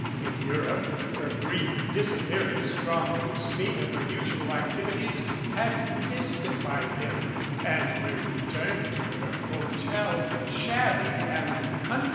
In Europe her brief disap pearance from the scene of her usual activities had mysti fied him and her return to her hotel, shabby and uncom 294 MRS.